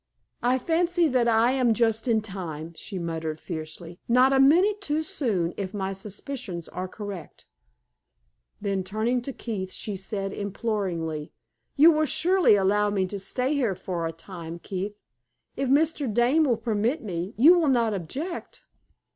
"I fancy that I am just in time," she muttered, fiercely. "Not a minute too soon, if my suspicions are correct." Then turning to Keith, she said, imploringly: "You will surely allow me to stay here for a time, Keith? If Mr. Dane will permit me, you will not object?"